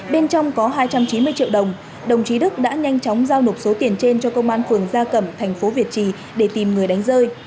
bên trong có hai trăm chín mươi triệu đồng đồng chí đức đã nhanh chóng giao nộp số tiền trên cho công an phường gia cẩm thành phố việt trì để tìm người đánh rơi